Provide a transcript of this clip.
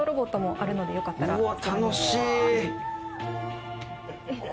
うわっ楽しい！